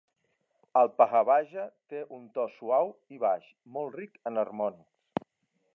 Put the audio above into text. El pakhavaja té un to suau i baix, molt ric en harmònics.